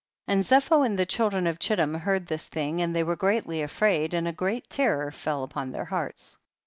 15. And Zepho and the children of Chittim heard this thing, and they were greatly afraid and a great terror fell upon their hearts.